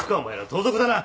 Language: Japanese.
盗賊だな。